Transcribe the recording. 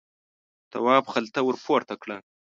تواب خلته ور پورته کړه.